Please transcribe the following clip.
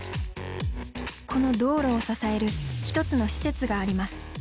この道路を支える一つの施設があります。